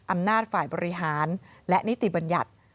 อำนาจฝ่ายบริหารและนิติบัญญัติ